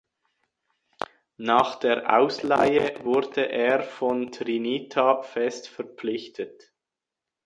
Nach der Ausleihe wurde er von Trinita fest verpflichtet.